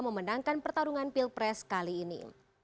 memenangkan pertarungan pilpres kali ini